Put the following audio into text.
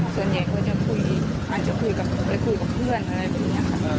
ส่วนใหญ่เขาอาจจะไปคุยกับเพื่อนอะไรแบบนี้ครับ